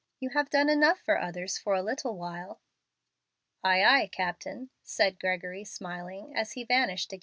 You have done enough for others for a little while." "Ay, ay, captain," said Gregory, smiling, as he again vanished.